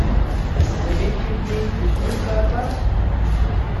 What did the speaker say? The bit between the two car parks?